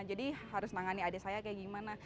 jadi harus menangani adik saya kayak gimana